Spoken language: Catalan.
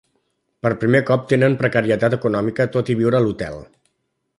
Per primer cop tenen precarietat econòmica tot i viure a l'hotel.